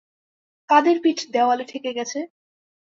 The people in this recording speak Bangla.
কাদের পিঠ দেওয়ালে ঠেকে গেছে?